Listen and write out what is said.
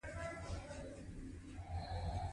د ازادۍ سلبېدل دوی ته رنځ ورکوي.